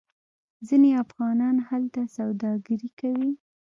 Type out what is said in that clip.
ځینې افغانان هلته سوداګري کوي.